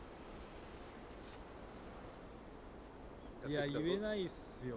いや言えないっすよ